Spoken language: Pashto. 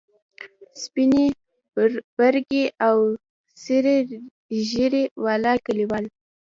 سپینې، برګې او سرې ږیرې والا کلیوال.